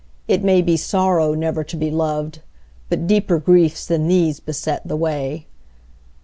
It may be sorrow never to be loved, But deeper griefs than these beset the way.